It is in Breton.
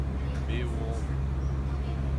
Mezv on.